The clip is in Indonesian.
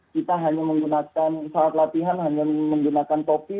kita hanya menggunakan saat latihan hanya menggunakan topi